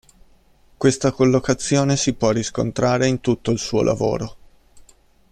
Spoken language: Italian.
Questa collocazione si può riscontrare in tutto il suo lavoro.